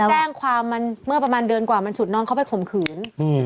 แจ้งความมันเมื่อประมาณเดือนกว่ามันฉุดน้องเขาไปข่มขืน